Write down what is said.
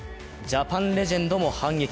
ジャパンレジェンドも反撃。